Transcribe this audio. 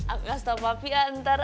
aku kasih tau popi ya ntar